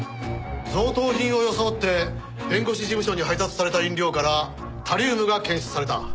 贈答品を装って弁護士事務所に配達された飲料からタリウムが検出された。